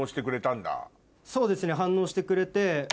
そうですね反応してくれて。